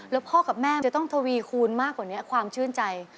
แล้วพ่อกับแม่มันจะต้องทวีคูณมากกว่านี้ความชื่นใจ